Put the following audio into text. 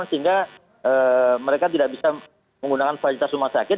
sehingga mereka tidak bisa menggunakan fasilitas rumah sakit